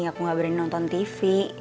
aku gak berani nonton tv